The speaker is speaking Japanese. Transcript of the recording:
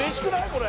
これ。